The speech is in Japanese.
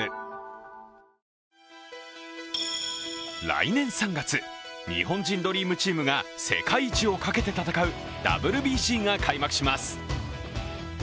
来年３月、日本人ドリームチームが世界一をかけて戦うＷＢＣが開幕します。